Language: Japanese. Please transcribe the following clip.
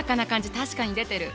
確かに出てる。